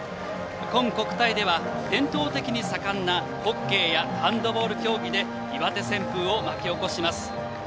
今国体では、伝統的に盛んなホッケーやハンドボール競技で岩手旋風を巻き起こします。